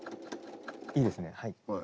いいですねはい。